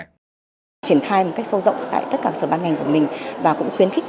triển khai một cách sâu rộng tại tất cả sở bán ngành của mình và cũng khuyến khích